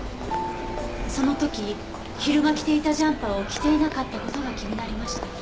その時昼間着ていたジャンパーを着ていなかった事が気になりました。